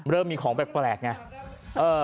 เริ่มมีของแปลกไง